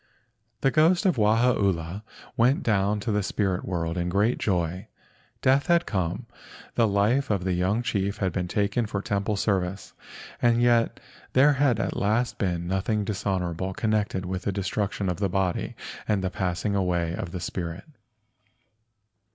The ghost of Wahaula went down to the spirit world in great joy. Death had come. The life of the young chief had been taken for temple service and yet there had at last been nothing dishonorable connected with the destruction of the body and the passing away of the spirit.